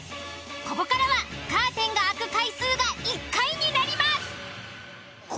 ここからはカーテンが開く回数が１回になります。